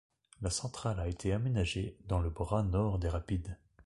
La centrale a été aménagée dans le bras nord des rapides.